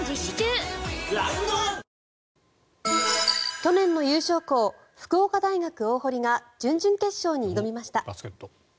去年の優勝校福岡大学大濠が準々決勝に挑みました。